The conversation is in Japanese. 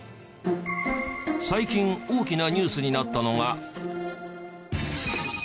最近大きなニュースになったのが。